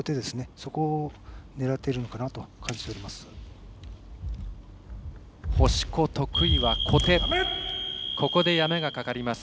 そこを狙っているかなと感じております。